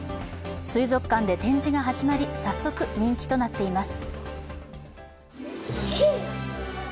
水族館で展示が始まり、早速、人気となっています。